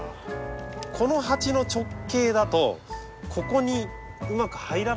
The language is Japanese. この鉢の直径だとここにうまく入らないんです。